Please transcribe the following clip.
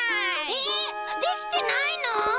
えっできてないの？